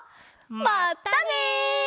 まったね！